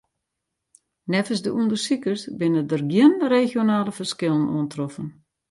Neffens de ûndersikers binne der gjin regionale ferskillen oantroffen.